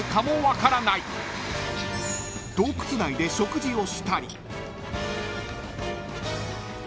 ［洞窟内で食事をしたり］